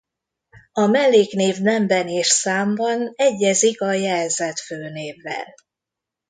A melléknév nemben és számban egyezik a jelzett főnévvel.